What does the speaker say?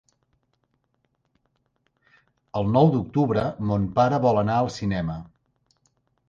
El nou d'octubre mon pare vol anar al cinema.